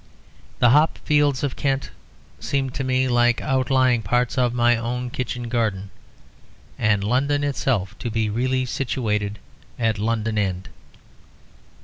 The hop fields of Kent seemed to me like outlying parts of my own kitchen garden; and London itself to be really situated at London End.